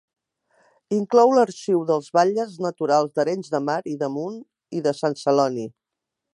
Inclou l'arxiu dels batlles naturals d'Arenys de Mar i de Munt, i de Sant Celoni.